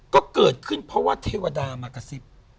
ก็เกิดขึ้นเพราะว่าเทวดามากระซิบ